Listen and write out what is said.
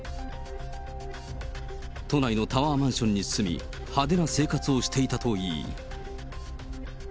都内のタワーマンションに住み、派手な生活をしていたといい。